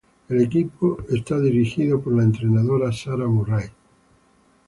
El equipo es dirigido por la entrenadora Sarah Murray.